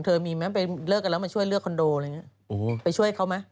เธอมีอยู่ไหมไม่เลิกกันแล้วมาช่วยเลือกคอนโดไปช่วยเขามา